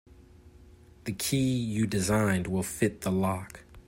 The key you designed will fit the lock.